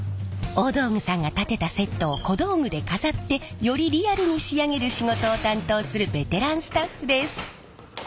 大道具さんが建てたセットを小道具で飾ってよりリアルに仕上げる仕事を担当するベテランスタッフです。